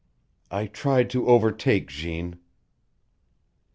"I tried to overtake Jeanne.